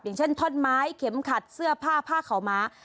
อย่างเช่นท่อนไม้เข็มขัดเสื้อผ้าผ้าขาวม้า